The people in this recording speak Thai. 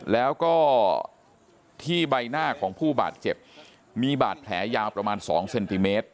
แล้วก็ที่ใบหน้าของผู้บาดเจ็บมีบาดแผลยาวประมาณ๒เซนติเมตร